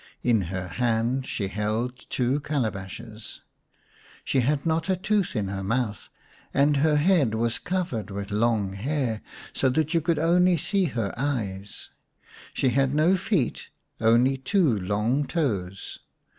In her hand she held two calabashes. She had not 183 The Story of Semai mai xv a tooth in her mouth, and her head was covered with long hair, so that you could only see her eyes. She had no feet, only two long toes.